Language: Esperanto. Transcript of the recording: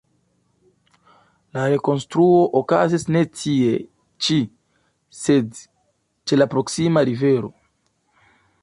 La rekonstruo okazis ne tie ĉi, sed ĉe la proksima rivero.